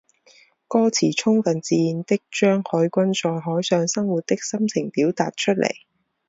歌词充分自然地将海军在海上生活的心情表达出来。